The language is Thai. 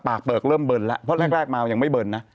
เปลือกเริ่มเบิร์นแล้วเพราะแรกมายังไม่เบิร์นนะ